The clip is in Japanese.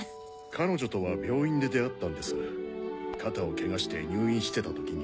彼女とは病院で出会ったんです肩をケガして入院してた時に。